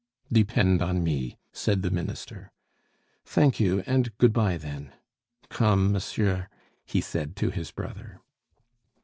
"Depend on me!" said the Minister. "Thank you, and good bye then! Come, monsieur," he said to his brother.